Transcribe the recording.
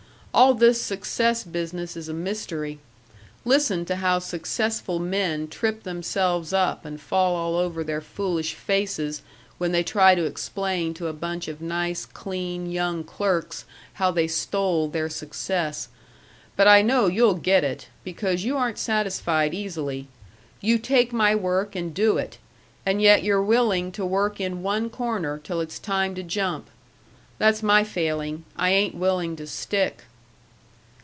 All this success business is a mystery listen to how successful men trip themselves up and fall all over their foolish faces when they try to explain to a bunch of nice, clean, young clerks how they stole their success. But I know you'll get it, because you aren't satisfied easily you take my work and do it. And yet you're willing to work in one corner till it's time to jump. That's my failing I ain't willing to stick."